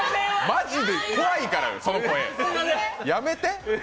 マジで怖いから、その声。やめて。